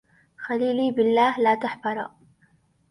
خليلي بالله لا تحفرا